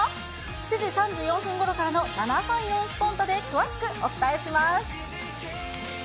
７時３４分ごろからの７３４スポンタっ！で詳しくお伝えします。